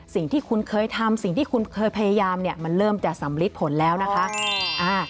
สิ่งที่คุณเคยทำสิ่งที่คุณเคยพยายามเนี่ยมันเริ่มจะสำลิดผลแล้วนะคะ